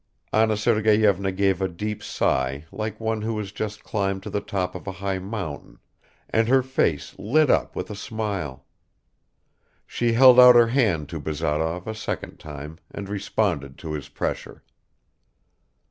Anna Sergeyevna gave a deep sigh like one who has just climbed to the top of a high mountain, and her face lit up with a smile. She held out her hand to Bazarov a second time and responded to his pressure.